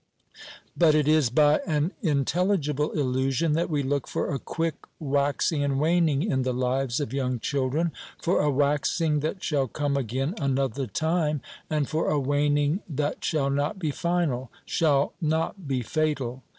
But it is by an intelligible illusion that we look for a quick waxing and waning in the lives of young children for a waxing that shall come again another time, and for a waning that shall not be final, shall not be fatal.